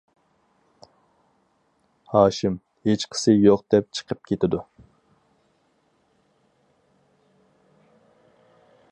ھاشىم: ھېچقىسى يوق دەپ چىقىپ كېتىدۇ.